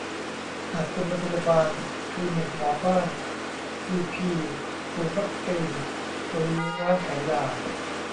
อาจเป็นโรงพยาบาล คลีนิกหมอบ้าน จีพี ศูนย์วัคซีน หรือร้านขายยา